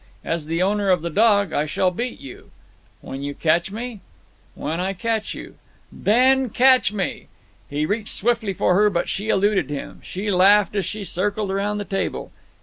"As the owner of the dog, I shall beat you—" "When you catch me?" "When I catch you." "Then catch me." He reached swiftly for her, but she eluded him. She laughed as she circled around the table.